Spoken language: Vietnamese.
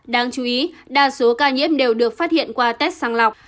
đáng chú ý đa số ca nhiễm đều được phát hiện qua test sang lọc